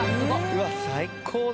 うわっ最高だね。